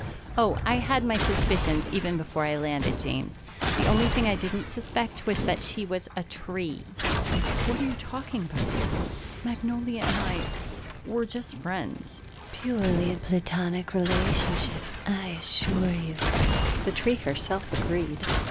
Oh, I had my suspicions even before I landed, James. The only thing I didn't suspect was that she was a tree!" "What are you talking about, honey? Magnolia and I we're just friends." "Purely a platonic relationship, I assure you," the tree herself agreed.